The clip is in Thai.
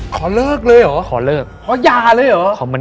ขอเลิกเลยเหรอเหรอย่าเลยเหรอ